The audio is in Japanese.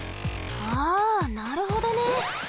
あなるほどね。